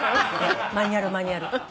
マニュアルマニュアル。